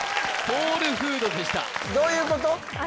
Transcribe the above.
ソウルフードでしたどういうこと？